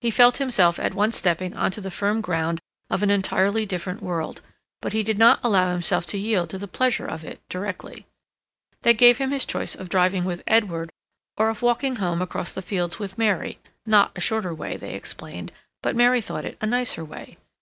He felt himself at once stepping on to the firm ground of an entirely different world, but he did not allow himself to yield to the pleasure of it directly. They gave him his choice of driving with Edward or of walking home across the fields with Mary—not a shorter way, they explained, but Mary thought it a nicer way.